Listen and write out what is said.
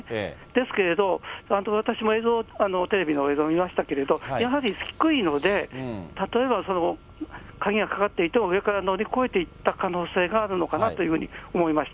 ですけれど、私も映像を、テレビの映像を見ましたけれど、やはり低いので、例えば鍵がかかっていても、上から乗り越えていった可能性があるのかなというふうに思いまし